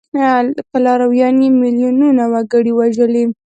که لارویانو یې میلیونونه وګړي وژلي.